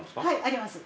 あります。